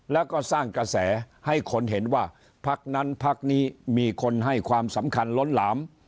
แล้วก็สร้างกระแสให้คนเห็นว่าพักนั้นพักนี้มีคนให้ความสำคัญล้นหลาม